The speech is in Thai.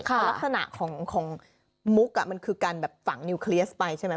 ลักษณะของมุกอะมันคือการฝังนิวเคลียสไปใช่ไหม